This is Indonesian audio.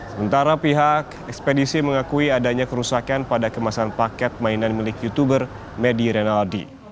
sementara pihak ekspedisi mengakui adanya kerusakan pada kemasan paket mainan milik youtuber medi renaldi